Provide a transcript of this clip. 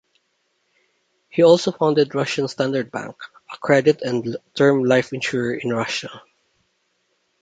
He also founded Russian Standard Bank, a credit and term life insurer in Russia.